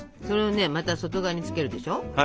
それをまた外側につけるでしょ。